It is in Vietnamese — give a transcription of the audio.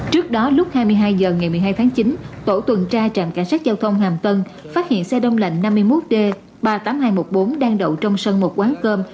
trước đó lúc hai mươi hai h ngày một mươi hai tháng chín tổ tuần tra trạm cảnh sát giao thông hàm tân phát hiện xe đông lạnh năm mươi một d ba mươi tám nghìn hai trăm một mươi bốn đang đậu trong sân một quán cơm